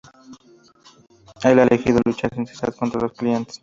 Él ha elegido luchar sin cesar contra los clientes.